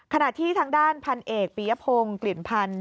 ขณะที่ทางด้านพันเอกปียพงศ์กลิ่นพันธ์